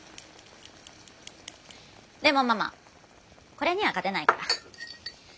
でもママこれには勝てないから。